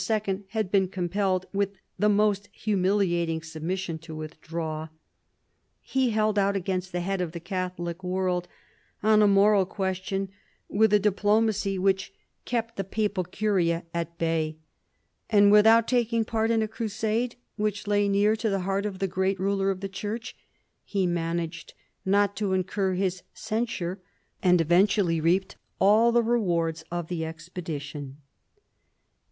had been compelled with the most humiliating submission to withdraw. He held out against the head of the Catholic world on a moral question with a diplomacy which kept the VI PHILIP AND THE PAPACY 197 papal curia itself at bay. And, without taking part in a crusade which lay near to the heart of the great ruler of the Church, he managed not to incur his censure, and eventually reaped all the rewards of the expedition.